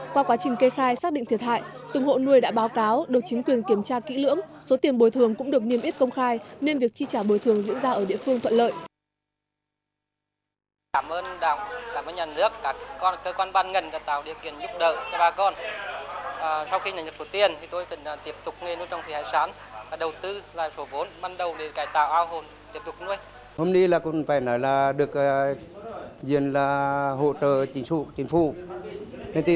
qua quá trình kê khai xác định thiệt hại từng hộ nuôi đã báo cáo được chính quyền kiểm tra kỹ lưỡng số tiền bồi thường cũng được niêm yết công khai nên việc chi trả bồi thường diễn ra ở địa phương thuận lợi